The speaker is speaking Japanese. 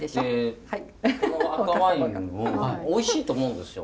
この赤ワインもおいしいと思うんですよ